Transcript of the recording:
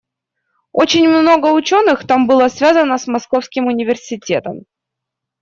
Очень много ученых там было связано с Московским университетом.